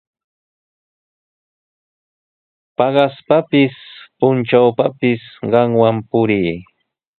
Paqaspapis, puntrawpapis qamwan purii.